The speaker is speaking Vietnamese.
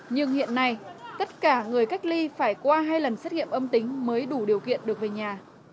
nhưng hiện nay tất cả người cách ly phải qua hai lần xét nghiệm âm tính mới đủ điều kiện được về nhà